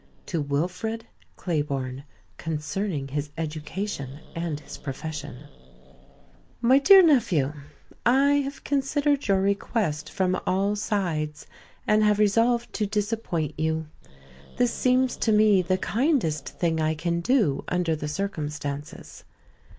To Wilfred Clayborn Concerning His Education and His Profession My Dear Nephew: I have considered your request from all sides, and have resolved to disappoint you. This seems to me the kindest thing I can do under the circumstances.